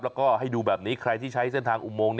แล้วก็ให้ดูแบบนี้ใครที่ใช้เส้นทางอุโมง